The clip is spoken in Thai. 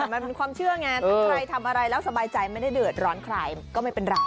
แต่มันเป็นความเชื่อไงถ้าใครทำอะไรแล้วสบายใจไม่ได้เดือดร้อนใครก็ไม่เป็นไร